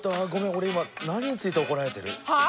俺今何について怒られてる？はあ！？